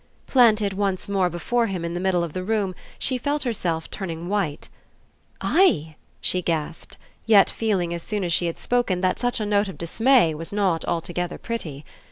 Planted once more before him in the middle of the room she felt herself turning white. "I?" she gasped, yet feeling as soon as she had spoken that such a note of dismay was not altogether pretty.